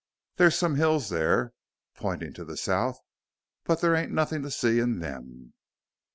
There's some hills there" pointing to the south "but there ain't nothin' to see in them.